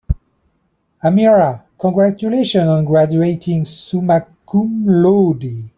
"Amira, congratulations on graduating summa cum laude."